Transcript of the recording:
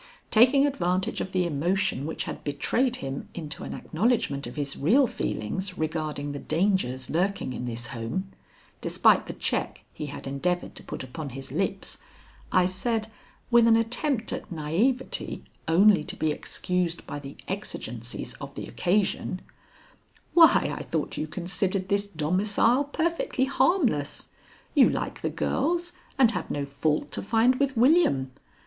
Taking advantage of the emotion which had betrayed him into an acknowledgment of his real feelings regarding the dangers lurking in this home, despite the check he had endeavored to put upon his lips, I said, with an attempt at naïveté only to be excused by the exigencies of the occasion: "Why, I thought you considered this domicile perfectly harmless. You like the girls and have no fault to find with William.